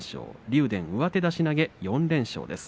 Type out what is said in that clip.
竜電、上手出し投げで４連勝です。